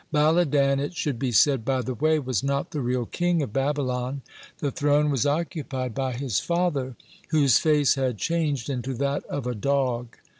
Baladan, it should be said by the way, was not the real king of Babylon. The throne was occupied by his father, whose face had changed into that of a dog.